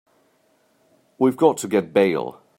We've got to get bail.